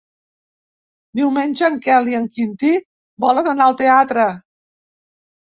Diumenge en Quel i en Quintí volen anar al teatre.